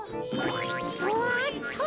そっと。